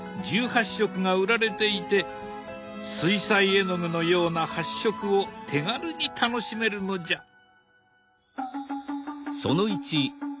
１８色が売られていて水彩絵の具のような発色を手軽に楽しめるのじゃ。